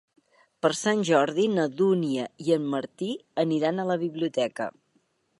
Per Sant Jordi na Dúnia i en Martí aniran a la biblioteca.